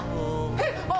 えっ！